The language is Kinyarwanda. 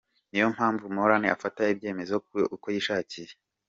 Niyo mpamvu Meron afata ibyemezo uko yishakiye.